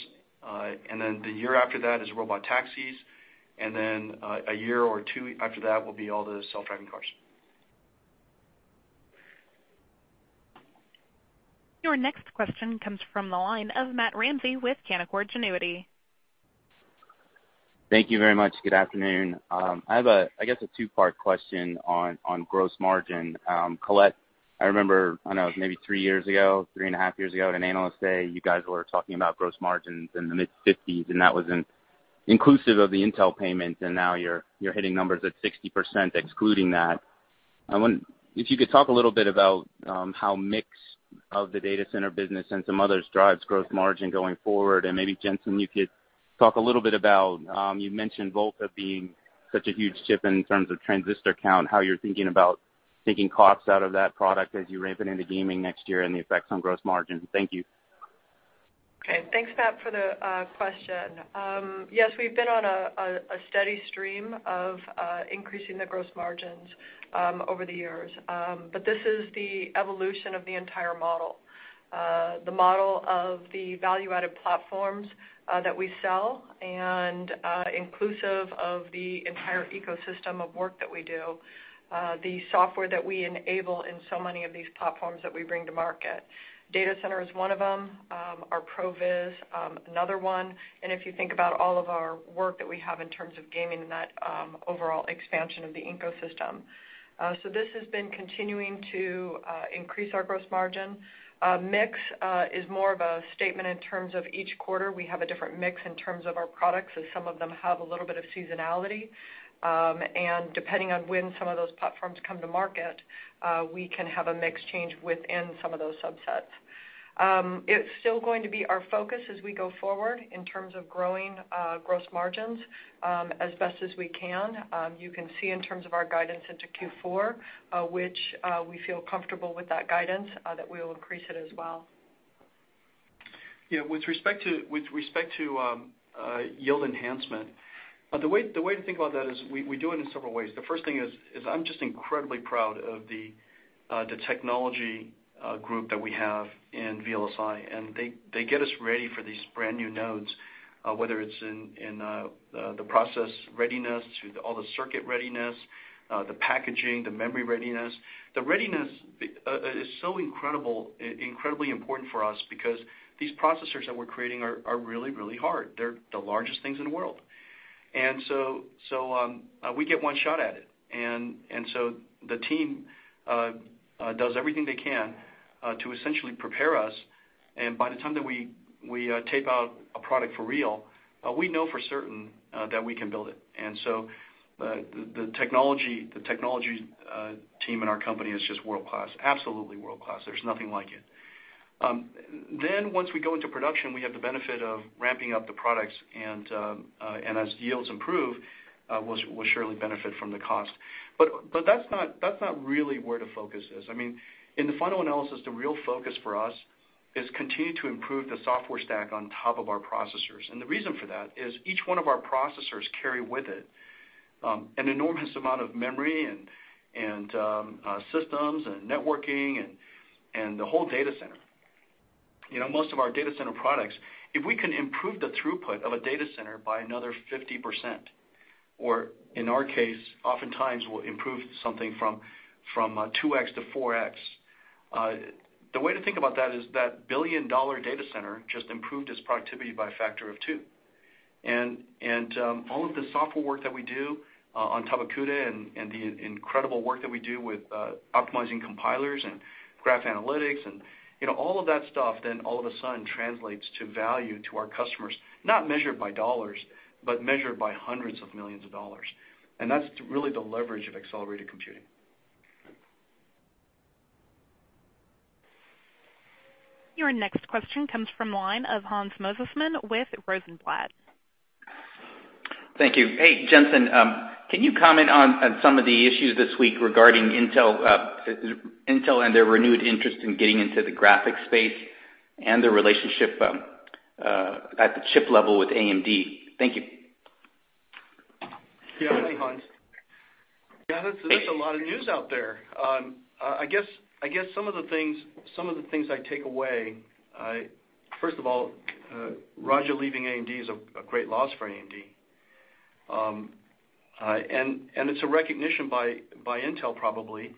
The year after that is robot taxis. A year or two after that will be all the self-driving cars. Your next question comes from the line of Matthew Ramsay with Canaccord Genuity. Thank you very much. Good afternoon. I have, I guess, a two-part question on gross margin. Colette, I remember, I don't know, it was maybe three years ago, three and a half years ago at an Analyst Day, you guys were talking about gross margins in the mid-50s, and that was inclusive of the Intel payment, and now you're hitting numbers at 60% excluding that. I wonder if you could talk a little bit about how mix of the data center business and some others drives gross margin going forward. Maybe Jensen, you could talk a little bit about, you mentioned Volta being such a huge chip in terms of transistor count, how you're thinking about taking costs out of that product as you ramp it into gaming next year and the effects on gross margin. Thank you. Okay. Thanks, Matt, for the question. Yes, we've been on a steady stream of increasing the gross margins over the years. This is the evolution of the entire model. The model of the value-added platforms that we sell and inclusive of the entire ecosystem of work that we do, the software that we enable in so many of these platforms that we bring to market. Data center is one of them, our ProViz another one, and if you think about all of our work that we have in terms of gaming and that overall expansion of the ecosystem. This has been continuing to increase our gross margin. Mix is more of a statement in terms of each quarter, we have a different mix in terms of our products as some of them have a little bit of seasonality. Depending on when some of those platforms come to market, we can have a mix change within some of those subsets. It's still going to be our focus as we go forward in terms of growing gross margins as best as we can. You can see in terms of our guidance into Q4, which we feel comfortable with that guidance, that we will increase it as well. With respect to yield enhancement, the way to think about that is we do it in several ways. The first thing is I'm just incredibly proud of the technology group that we have in VLSI, and they get us ready for these brand-new nodes, whether it's in the process readiness to all the circuit readiness, the packaging, the memory readiness. The readiness is so incredibly important for us because these processors that we're creating are really hard. They're the largest things in the world. We get one shot at it. The team does everything they can to essentially prepare us, and by the time that we tape out a product for real, we know for certain that we can build it. The technology team in our company is just world-class. Absolutely world-class. There's nothing like it. Once we go into production, we have the benefit of ramping up the products, and as yields improve, we'll surely benefit from the cost. That's not really where the focus is. In the final analysis, the real focus for us is continue to improve the software stack on top of our processors. The reason for that is each one of our processors carry with it an enormous amount of memory and systems and networking and the whole data center. Most of our data center products, if we can improve the throughput of a data center by another 50%, or in our case, oftentimes we'll improve something from 2X to 4X. The way to think about that is that billion-dollar data center just improved its productivity by a factor of two. All of the software work that we do on top of CUDA and the incredible work that we do with optimizing compilers and graph analytics, all of that stuff then all of a sudden translates to value to our customers, not measured by dollars, but measured by hundreds of millions of dollars. That's really the leverage of accelerated computing. Your next question comes from the line of Hans Mosesmann with Rosenblatt. Thank you. Hey, Jensen. Can you comment on some of the issues this week regarding Intel and their renewed interest in getting into the graphics space and their relationship at the chip level with AMD? Thank you. Hi, Hans. That's a lot of news out there. I guess some of the things I take away, first of all, Raja leaving AMD is a great loss for AMD. It's a recognition by Intel probably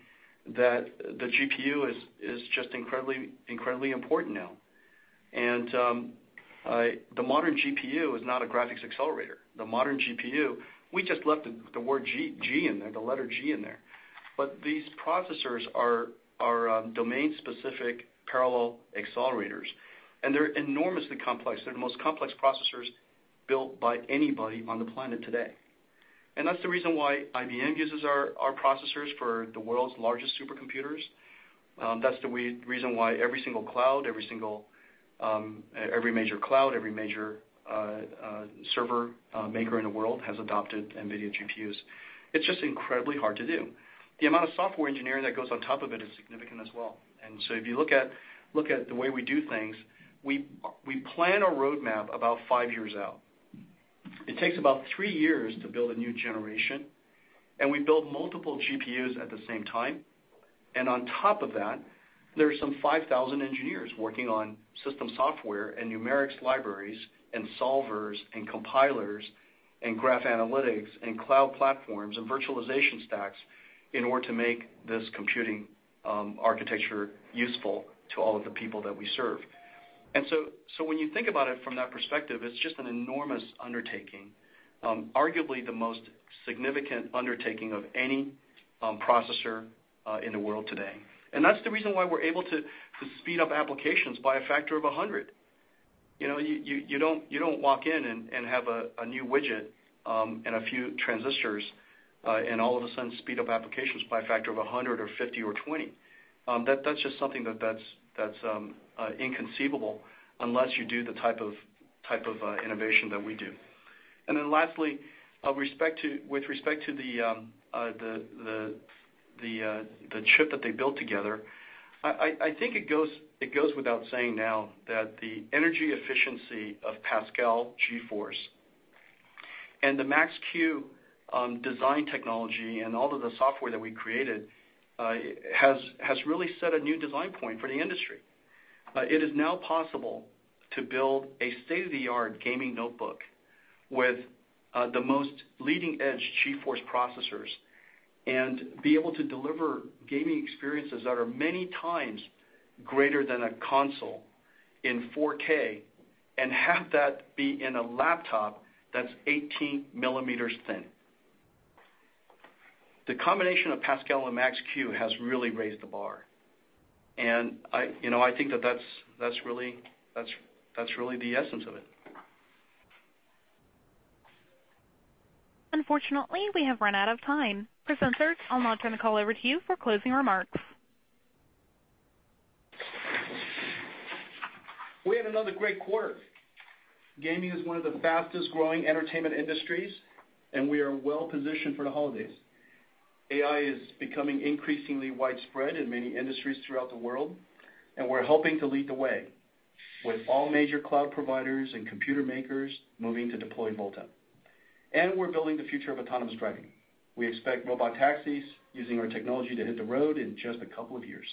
that the GPU is just incredibly important now. The modern GPU is not a graphics accelerator. The modern GPU, we just left the word G in there, the letter G in there. These processors are domain-specific parallel accelerators, and they're enormously complex. They're the most complex processors built by anybody on the planet today. That's the reason why IBM uses our processors for the world's largest supercomputers. That's the reason why every single cloud, every major cloud, every major server maker in the world has adopted NVIDIA GPUs. It's just incredibly hard to do. The amount of software engineering that goes on top of it is significant as well. If you look at the way we do things, we plan a roadmap about 5 years out. It takes about 3 years to build a new generation, and we build multiple GPUs at the same time. On top of that, there are some 5,000 engineers working on system software and numerics libraries and solvers and compilers and graph analytics and cloud platforms and virtualization stacks in order to make this computing architecture useful to all of the people that we serve. When you think about it from that perspective, it's just an enormous undertaking, arguably the most significant undertaking of any processor in the world today. That's the reason why we're able to speed up applications by a factor of 100. You don't walk in and have a new widget and a few transistors and all of a sudden speed up applications by a factor of 100 or 50 or 20. That's just something that's inconceivable unless you do the type of innovation that we do. Lastly, with respect to the chip that they built together, I think it goes without saying now that the energy efficiency of Pascal GeForce and the Max-Q design technology and all of the software that we created has really set a new design point for the industry. It is now possible to build a state-of-the-art gaming notebook with the most leading-edge GeForce processors and be able to deliver gaming experiences that are many times greater than a console in 4K, and have that be in a laptop that's 18 millimeters thin. The combination of Pascal and Max-Q has really raised the bar, I think that that's really the essence of it. Unfortunately, we have run out of time. Presenters, I'll now turn the call over to you for closing remarks. We had another great quarter. Gaming is one of the fastest-growing entertainment industries, and we are well-positioned for the holidays. AI is becoming increasingly widespread in many industries throughout the world, and we're helping to lead the way with all major cloud providers and computer makers moving to deploy Volta. We're building the future of autonomous driving. We expect robot taxis using our technology to hit the road in just a couple of years.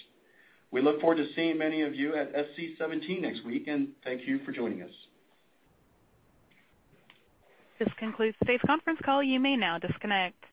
We look forward to seeing many of you at SC17 next week, and thank you for joining us. This concludes today's conference call. You may now disconnect.